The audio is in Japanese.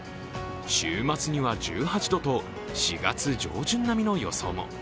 週末には１８度と４月上旬並みの予想も。